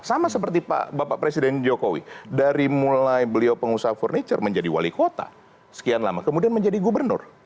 sama seperti pak presiden jokowi dari mulai beliau pengusaha furniture menjadi wali kota sekian lama kemudian menjadi gubernur